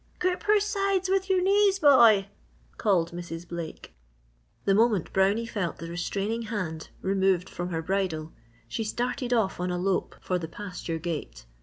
"Grip her sides with your knees, boy!" called Mrs. Blake. The moment Brownie felt the restraining hand removed from her bridle she started off on a lope for the pasture gate.